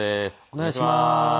お願いしまーす。